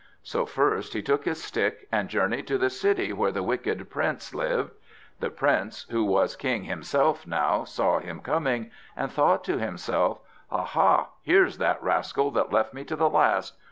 So first he took his stick, and journeyed to the city where the Wicked Prince lived. The Prince, who was King himself now, saw him coming, and thought to himself: "Aha! here's that rascal that left me to the last.